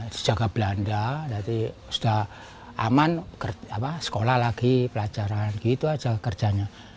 sejaga belanda berarti sudah aman sekolah lagi pelajaran gitu aja kerjanya